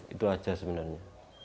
itu saja sebenarnya